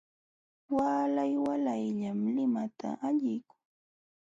Waalay waalayllam limata illakun.